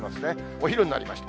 お昼になりました。